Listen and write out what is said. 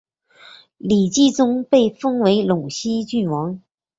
李继崇被封为陇西郡王。